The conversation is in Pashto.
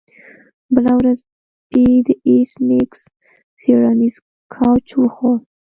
بله ورځ سپي د ایس میکس څیړنیز کوچ وخوړ